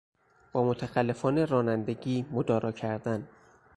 با متخلفان رانندگی مدارا کردن